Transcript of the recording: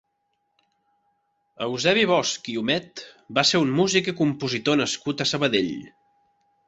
Eusebi Bosch i Humet va ser un músic i compositor nascut a Sabadell.